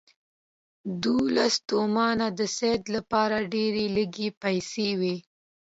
دوولس تومنه د سید لپاره ډېرې لږې پیسې وې.